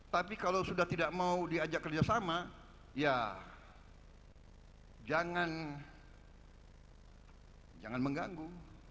tapi kalau sudah tidak mau diajak kerjasama ya jangan mengganggu